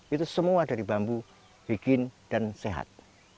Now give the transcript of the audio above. itu semua dari bambu bikin dan sehat